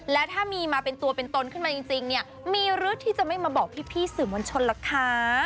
และถ้ามีมาเป็นตัวเป็นตนขึ้นมาจริงเนี่ยมีฤทธิ์จะไม่มาบอกพี่สื่อมวลชนล่ะคะ